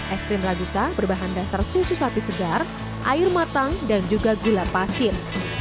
es krim ragusa berbahan dasar susu sapi segar air matang dan juga gula pasir